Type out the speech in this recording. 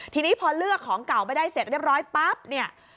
ทีนี้พอเลือกของเก่าไปได้เสร็จเรียบร้อยปั๊บเนี่ย